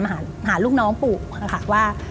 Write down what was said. หาลูกน้องปู่ค่ะว่า